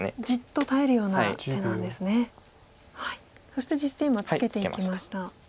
そして実戦今ツケていきました。